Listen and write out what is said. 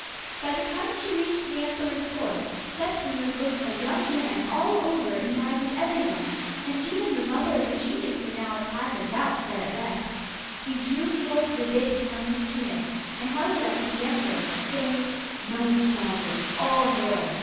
By the time she reached the emperor's court, Fet Fruners looked a young man all over in the eyes of everyone; and even the mother of the genius would now have had her doubts set at rest. He drew forth the vase from his tunic and held it up to the emperor, saying: 'Mighty Sovereign, all hail!